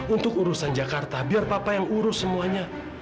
untuk urusan jakarta biar papa yang urus semuanya